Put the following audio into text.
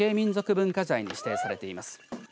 文化財に指定されています。